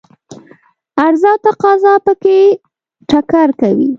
عرضه او تقاضا په کې ټکر کوي.